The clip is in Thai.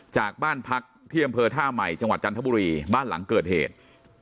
จากบ้านพักที่อำเภอท่าใหม่จังหวัดจันทบุรีบ้านหลังเกิดเหตุ